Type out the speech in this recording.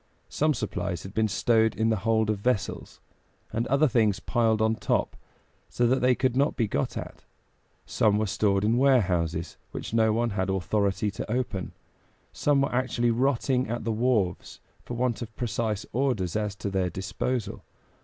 Some supplies had been stowed in the hold of vessels, and other things piled on top so that they could not be got at; some were stored in warehouses which no one had authority to open; some were actually rotting at the wharves, for want of precise orders as to their disposal.